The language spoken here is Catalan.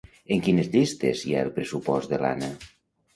En quines llistes hi ha el pressupost de l'Anna?